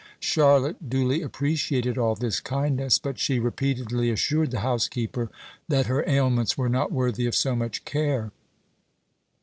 Charlotte duly appreciated all this kindness; but she repeatedly assured the housekeeper that her ailments were not worthy of so much care.